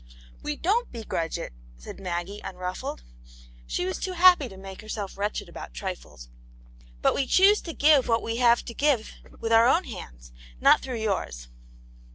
" We don't begrudge it," said Maggie, unruffled.; she was too happy to make heriself wretched about trifles. " But we choose to give what we have to give with our own hands, not through yours."